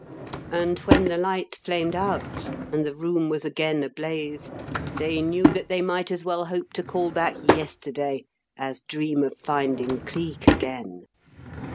And when the light flamed out and the room was again ablaze they knew that they might as well hope to call back yesterday as dream of finding Cleek again.